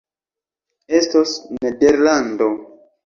Estos Nederlando!